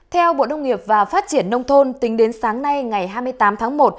theo bộ nông nghiệp và phát triển nông thôn tính đến sáng nay ngày hai mươi tám tháng một